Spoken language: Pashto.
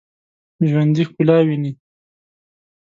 ژوندي ښکلا ویني